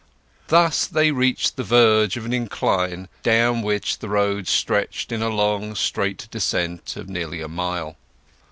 Thus they reached the verge of an incline down which the road stretched in a long straight descent of nearly a mile.